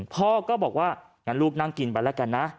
พ่อก็บอกว่างั้นลูกนั่งกินไปแล้วกันนะ